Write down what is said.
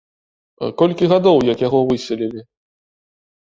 Колькі гадоў як яго выселілі?